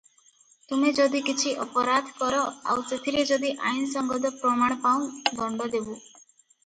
ତୁମ୍ଭେ ଯଦି କିଛି ଅପରାଧକର ଆଉ ସଥିରେ ଯଦି ଆଇନସଙ୍ଗତ ପ୍ରମାଣ ପାଉଁ ଦଣ୍ତ ଦେବୁ ।'